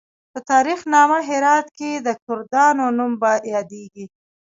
په تاریخ نامه هرات کې د کردانو نوم یادیږي.